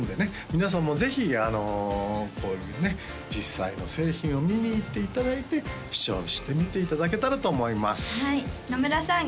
皆さんもぜひこういうね実際の製品を見に行っていただいて視聴してみていただけたらと思います野村さん